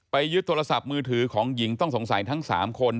ยึดโทรศัพท์มือถือของหญิงต้องสงสัยทั้ง๓คน